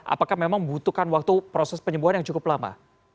apakah memang membutuhkan waktu proses penyembuhan yang cukup lama